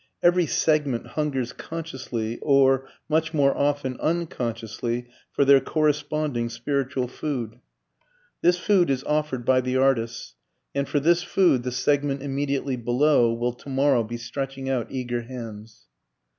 Every segment hungers consciously or, much more often, unconsciously for their corresponding spiritual food. This food is offered by the artists, and for this food the segment immediately below will tomorrow be stretching out eager hands.